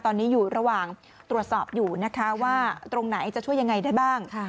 ตอนนี้อยู่ระหว่างตรวจสอบอยู่นะคะว่าตรงไหนจะช่วยยังไงได้บ้าง